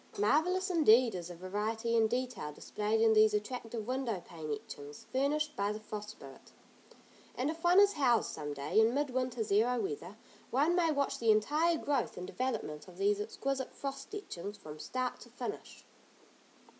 Marvellous indeed is the variety and detail displayed in these attractive window pane etchings furnished by the Frost Spirit, and if one is housed some day, in mid winter, zero weather, one may watch the entire growth and development of these exquisite frost etchings from start to finish.